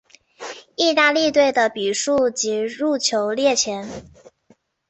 意大利队的比数及入球列前。